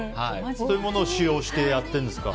そういうものを使用してやっているんですか。